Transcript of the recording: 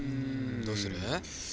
どうする？